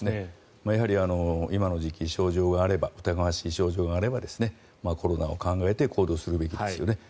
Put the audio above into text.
やはり今の時期、症状があれば疑わしい症状があればコロナを考えて行動するべきですよね。